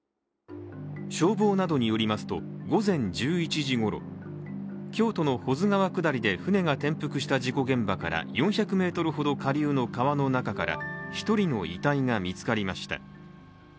消防などによりますと午前１１時ごろ京都の保津川下りで舟が転覆した事故現場から４００ｍほど下流の川の中から、１人の遺体が見つかりました。